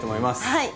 はい。